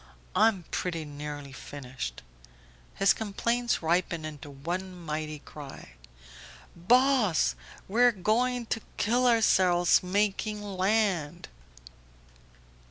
.. I'm pretty nearly finished ..." His complaints ripened into one mighty cry: "Boss! We are going to kill ourselves making land."